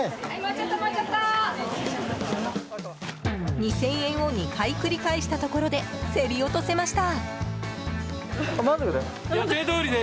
２０００円を２回繰り返したところで競り落とせました。